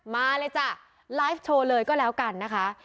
มาเลยจ้ะไลฟ์โชว์เลยก็แล้วกันนะคะ